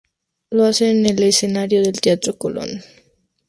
Lo hace en el escenario del teatro Colón.